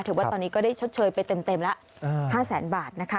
ถือว่าตอนนี้ก็ได้ชดเชยไปเต็มแล้ว๕แสนบาทนะคะ